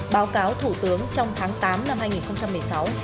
báo cáo thủ tướng trong tháng tám năm hai nghìn một mươi sáu